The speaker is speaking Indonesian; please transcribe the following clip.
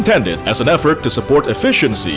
diperintahkan sebagai usaha untuk mendukung efisiensi